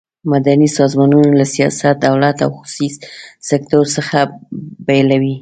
مدني سازمانونه له سیاست، دولت او خصوصي سکټور څخه بیل وي.